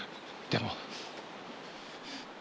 でも。